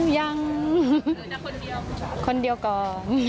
หนึ่งแต่คนเดียวก่อน